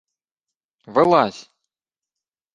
— Вилазь І